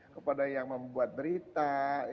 kepada yang membuat berita